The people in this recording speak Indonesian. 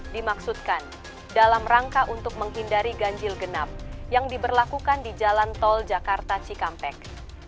dimaksudkan dalam rangka untuk menghindari ganjil genap yang diberlakukan di jalan tol jakarta cikampek